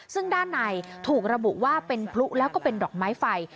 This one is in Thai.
ซึ่งด้านในถูกระบุว่าเป็นพลุแล้วก็เป็นดอกไม้ไฟ